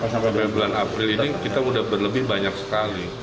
sampai bulan april ini kita sudah berlebih banyak sekali